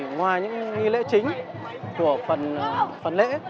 ngoài những lễ chính của phần lễ